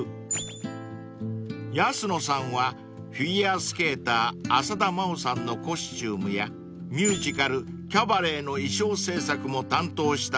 ［安野さんはフィギュアスケーター浅田真央さんのコスチュームやミュージカル『キャバレー』の衣装制作も担当したすご腕］